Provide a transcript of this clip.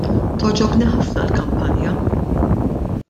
Togħġobni ħafna l-kampanja.